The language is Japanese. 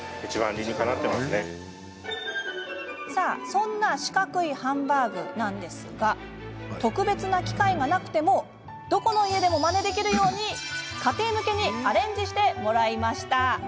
そんな四角いハンバーグ特別な機械がなくてもどこの家でもまねできるように家庭向けにアレンジしてもらいました。